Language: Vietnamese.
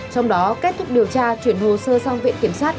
trong đó kết thúc điều tra chuyển hồ sơ sang viện kiểm sát